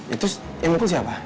itu yang mukul siapa